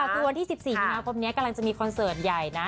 คือวันที่๑๔มีนาคมนี้กำลังจะมีคอนเสิร์ตใหญ่นะ